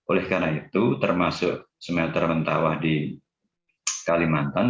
oleh karena itu termasuk smelter mentawa di kalimantan